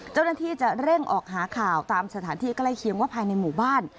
เจ้าหน้าที่จะเร่งออกหาข่าวตามสถานที่ใกล้เคียงว่าภายในหมู่บ้าน